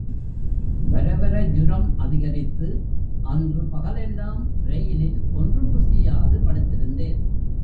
வரவர ஜுரம் அதிகரித்து, அன்று பகலெல்லாம் ரெயிலில் ஒன்றும் புசியாது படுத்திருந்தேன்.